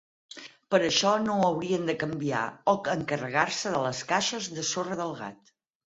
Per això no haurien de canviar o encarregar-se de les caixes de sorra del gat.